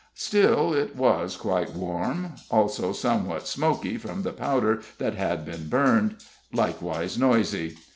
Still it was quite warm; also somewhat smoky from the powder that had been burned; likewise noisy.